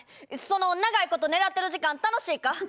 その長いこと狙ってる時間楽しいか？